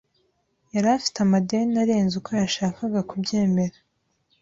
Yari afite amadeni arenze uko yashakaga kubyemera.